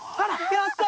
やった！